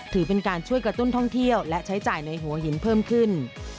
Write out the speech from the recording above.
ถือเป็นการช่วยกระตุ้นท่องเที่ยวและใช้จ่ายในหัวหินเพิ่มขึ้น